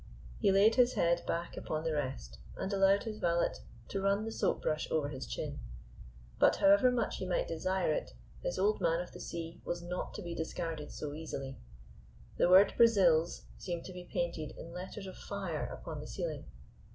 He laid his head back upon the rest and allowed his valet to run the soap brush over his chin. But, however much he might desire it, his Old Man of the Sea was not to be discarded so easily; the word "Brazils" seemed to be painted in letters of fire upon the ceiling.